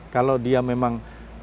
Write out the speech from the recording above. kalau dia memang